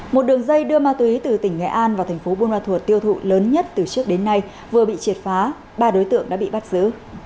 một đường dây đưa ma túy từ tỉnh nghệ an vào thành phố buôn ma thuột tiêu thụ lớn nhất từ trước đến nay vừa bị triệt phá ba đối tượng đã bị bắt giữ